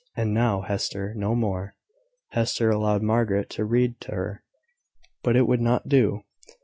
And now, Hester, no more." Hester allowed Margaret to read to her; but it would not do.